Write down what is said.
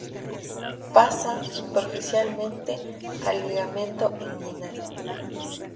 Pasa superficialmente al ligamento inguinal.